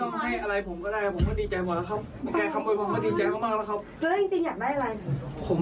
แกขมวยผมก็ดีใจมากแล้วครับ